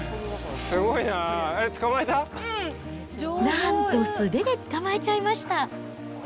なんと、素手で捕まえちゃいました。